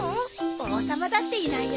王様だっていないよ。